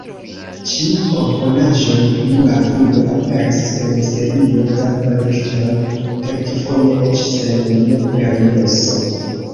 Ĉi-komponaĵoj pli malfrue aperis en serio da kolektoj, kelkfoje eĉ sen lia permeso.